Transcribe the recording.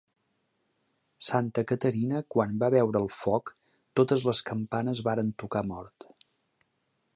Santa Caterina quan va veure el foc, totes les campanes varen tocar a mort.